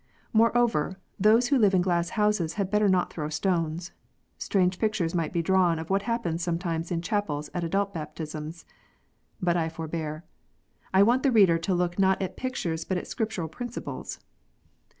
Moreover, those who live in glass houses had better not throw stones. Strange pictures might be drawn of what happens sometimes in chapels at adult baptisms ! But I for bear. I want the reader to look not at pictures but at Scriptural principles.